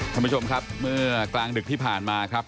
ท่านผู้ชมครับเมื่อกลางดึกที่ผ่านมาครับ